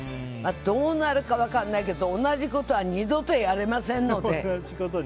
どうなるか分かんないけど同じことは二度とやりませんので。